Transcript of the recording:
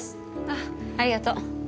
あっありがとう。